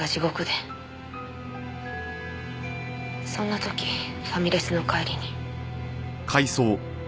そんな時ファミレスの帰りに。